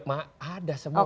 ada semua ada